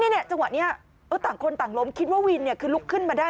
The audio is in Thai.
จังหวะนี้ต่างคนต่างล้มคิดว่าวินคือลุกขึ้นมาได้